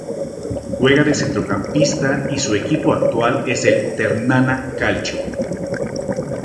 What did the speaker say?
Juega de centrocampista y su equipo actual es el Ternana Calcio.